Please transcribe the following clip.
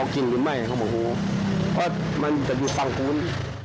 กับมันอยู่ก่อน